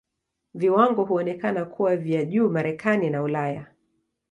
Viwango huonekana kuwa vya juu Marekani na Ulaya.